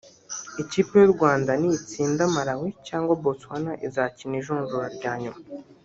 Ikipe y’u Rwanda nitsinda Malawi cyangwa Botswana izakina ijonjora rya nyuma